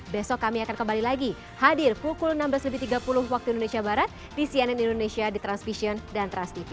besok kami akan kembali lagi hadir pukul enam belas tiga puluh waktu indonesia barat di cnn indonesia di transvision dan transtv